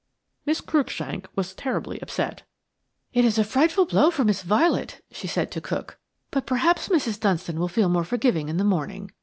Miss Cruikshank was terribly upset. "It is a frightful blow for Miss Violet," she said to cook, "but perhaps Mrs. Dunstan will feel more forgiving in the morning.